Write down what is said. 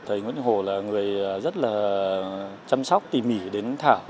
thầy nguyễn trọng hổ là người rất là chăm sóc tỉ mỉ đến thảo